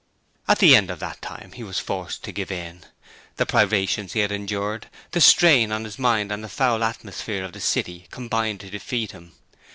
At the end of that time he was forced to give in. The privations he had endured, the strain on his mind and the foul atmosphere of the city combined to defeat him.